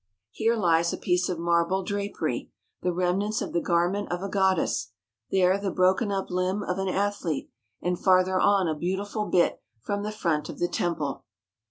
Here lies a piece of marble 265 THE HOLY LAND AND SYRIA drapery, the remnants of the garment of a goddess; there the broken up limb of an athlete, and farther on a beautiful bit from the front of the temple.